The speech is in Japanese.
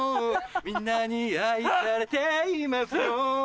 みんなに愛されていますよ